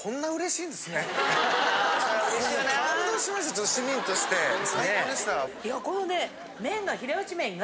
いやこのね麺が。